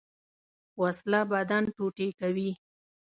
وسله بدن ټوټې کوي